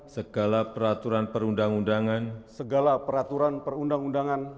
segala peraturan perundang undangan